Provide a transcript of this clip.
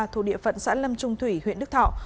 thuộc địa phận xã lâm trung thủy huyện đức thọ